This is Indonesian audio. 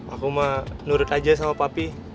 aku mah nurut aja sama pak be